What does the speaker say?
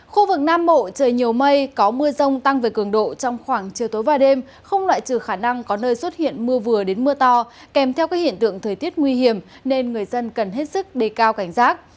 khu vực nam bộ trời nhiều mây có mưa rông tăng về cường độ trong khoảng chiều tối và đêm không loại trừ khả năng có nơi xuất hiện mưa vừa đến mưa to kèm theo các hiện tượng thời tiết nguy hiểm nên người dân cần hết sức đề cao cảnh giác